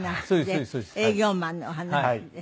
営業マンのお話で。